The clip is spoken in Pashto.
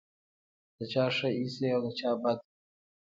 د چا ښه ایسې او د چا بد.